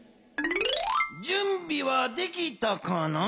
じゅんびはできたかな。